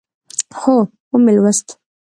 هو، ومی لوست